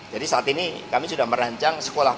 jadi saat ini kami sudah merancang sekolah